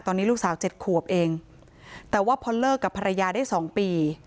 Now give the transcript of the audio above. ตอนนี้ลูกสาวเจ็ดขวบเองแต่ว่าพอเลิกกับภรรยาได้๒ปี